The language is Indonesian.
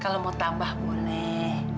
kalo mau tambah boleh